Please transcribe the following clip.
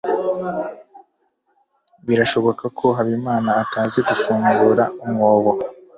birashoboka ko habimana atazi gufungura umwobo